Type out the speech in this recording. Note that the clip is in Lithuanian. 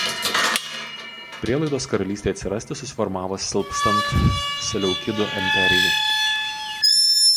Prielaidos karalystei atsirasti susiformavo silpstant Seleukidų imperijai.